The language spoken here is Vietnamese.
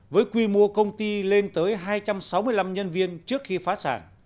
với quy mô công ty lên tới hai trăm sáu mươi năm nhân viên trước khi phá sản